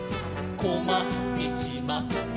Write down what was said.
「こまってしまって」